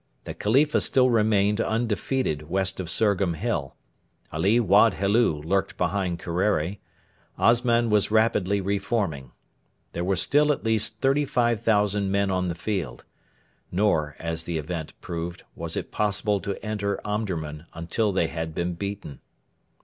The Khalifa still remained undefeated west of Surgham Hill; Ali Wad Helu lurked behind Kerreri; Osman was rapidly re forming. There were still at least 35,000 men on the field. Nor, as the event proved, was it possible to enter Omdurman until they had been beaten.